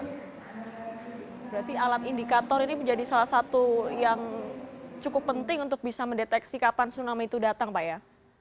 berarti alat indikator ini menjadi salah satu yang cukup penting untuk bisa mendeteksi kapan tsunami itu datang pak ya